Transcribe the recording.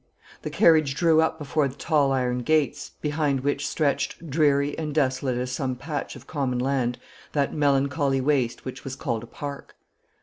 The carriage drew up before the tall iron gates, behind which stretched, dreary and desolate as some patch of common land, that melancholy waste which was called a park.